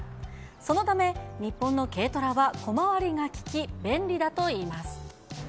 そのため、日本の軽トラは小回りが利き、便利だといいます。